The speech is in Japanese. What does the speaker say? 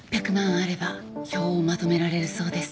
あれば票をまとめられるそうです。